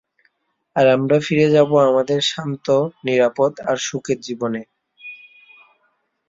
আর আমরা ফিরে যাবো আমাদের শান্ত, নিরাপদ আর সুখের জীবনে।